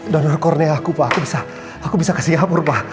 donor kornea aku pak aku bisa ke singapura pak